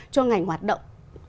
cho ngành hoạt động